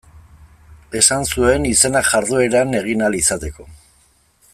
Esan zuen izenak jardueran egin ahal izateko.